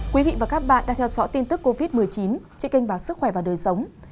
quý vị và các bạn đang theo dõi tin tức covid một mươi chín trên kênh báo sức khỏe và đời sống